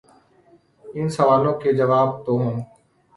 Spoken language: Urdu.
ان سوالوں کے جواب تو ہوں۔